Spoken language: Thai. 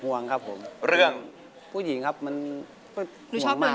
อายุ๒๔ปีวันนี้บุ๋มนะคะ